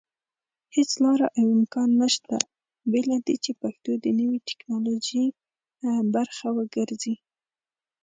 هيڅ لاره او امکان نشته بېله دې چې پښتو د نوي ټيکنالوژي پرخه وګرځي